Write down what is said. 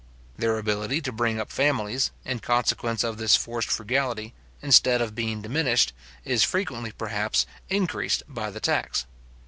Their ability to bring up families, in consequence of this forced frugality, instead of being diminished, is frequently, perhaps, increased by the tax.